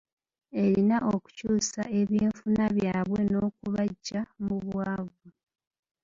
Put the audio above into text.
Erina okukyusa ebyenfuna byabwe n’okubaggya mu bwavu.